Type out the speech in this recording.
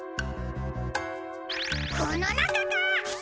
このなかか？